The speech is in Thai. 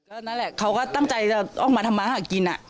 เอิ้นเขาก็ตั้งใจจะออกมาทำมาหากิน